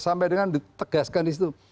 sampai dengan ditegaskan di situ